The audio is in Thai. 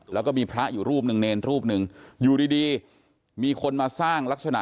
แล้วก็มีพระอยู่รูปหนึ่งเนรรูปหนึ่งอยู่ดีดีมีคนมาสร้างลักษณะ